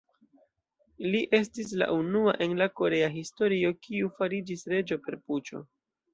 Li estis la unua en la korea historio, kiu fariĝis reĝo per puĉo.